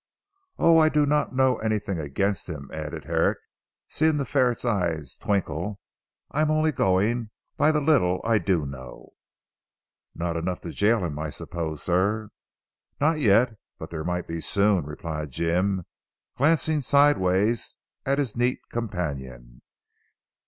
Oh, I do not know anything against him," added Herrick seeing the ferret's eyes twinkle. "I am only going by the little I do know." "Not enough to jail him I suppose, sir?" "Not yet, but there might be soon," replied Jim, glancing sideways at his neat companion.